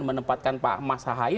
menempatkan pak mas ahy